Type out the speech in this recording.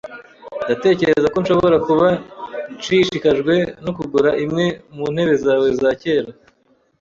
Ndatekereza ko nshobora kuba nshishikajwe no kugura imwe mu ntebe zawe za kera.